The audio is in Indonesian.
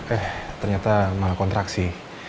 eh ternyata malah kontraksi